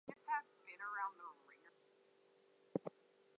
In Australia, he built a house at Kallista, near Melbourne.